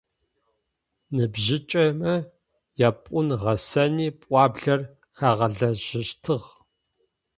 Ныбжьыкӏэмэ япӏун-гъэсэни пӏуаблэр хагъэлажьэщтыгъэ.